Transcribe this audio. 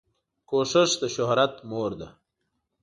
کوښښ دشهرت مور ده